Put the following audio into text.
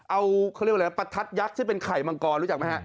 เอาเขาเรียกว่าอะไรประทัดยักษ์ซึ่งเป็นไข่มังกรรู้จักไหมฮะ